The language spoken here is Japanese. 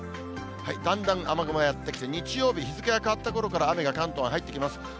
だんだん雨雲やって来て、日曜日、日付が変わったころから雨が関東に入ってきます。